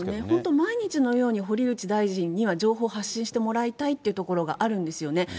本当、毎日のように、堀内大臣には情報発信してもらいたいというところがあるんですよね。